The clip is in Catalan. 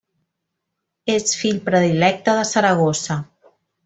És fill predilecte de Saragossa.